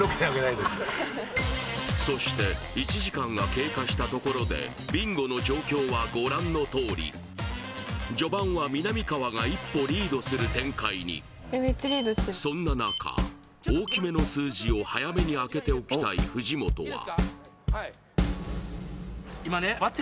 そして１時間が経過したところでビンゴの状況はご覧のとおり序盤はみなみかわが一歩リードする展開にそんな中大きめの数字を早めに開けておきたい藤本は１００！